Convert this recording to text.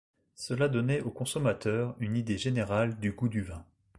Cela donnait aux consommateurs une idée générale du goût du vin.